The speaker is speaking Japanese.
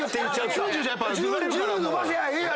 ９０じゃやっぱ言われるから。